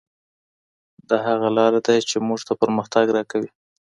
دا هغه لاره ده چي موږ ته پرمختګ راکوي.